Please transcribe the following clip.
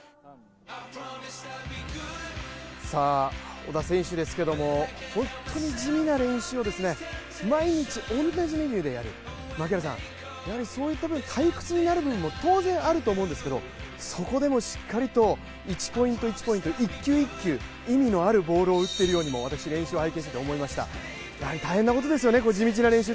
小田選手ですけども本当に地味な練習を毎日同じメニューでやる、やはりそういった部分退屈になる部分も当然あると思うんですけどそこでもしっかりと１ポイント１ポイント一球一球、意味のあるボールを打っているようにも私、練習を拝見していて思いました大変なことですよね。